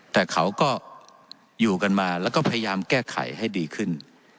แต่เขาก็อยู่กันมาแล้วก็พยายามแก้ไขให้ดีขึ้น